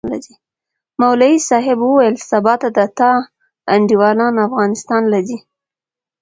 مولوي صاحب وويل سبا د تا انډيوالان افغانستان له زي؟